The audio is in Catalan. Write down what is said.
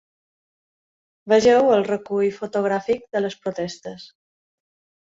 Vegeu el recull fotogràfic de les protestes.